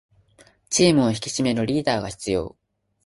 チームを引き締めるリーダーが必要